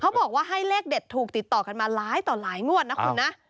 บอกว่าให้เลขเด็ดถูกติดต่อกันมาหลายต่อหลายงวดนะคุณนะ